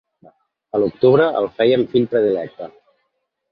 A l'octubre el fèiem fill predilecte.